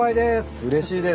うれしいです。